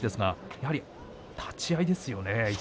やはり立ち合いですよね。